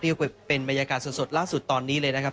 นี่ก็เป็นบรรยากาศสดล่าสุดตอนนี้เลยนะครับ